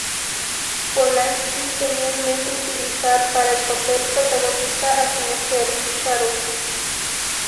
Polański tenía en mente utilizar para el papel protagonista a su mujer, Sharon.